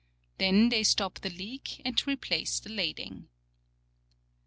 They then stop the leak and re})lace the lading.